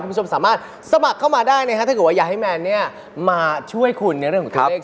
คุณผู้ชมสามารถสมัครเข้ามาได้นะครับถ้าเกิดว่าอยากให้แมนเนี่ยมาช่วยคุณในเรื่องของตัวเลข